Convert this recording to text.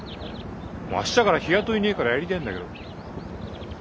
もう明日から日雇いねえからやりてえんだけど。